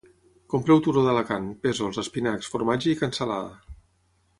Compreu torró d'Alacant, pèsols, espinacs, formatge i cansalada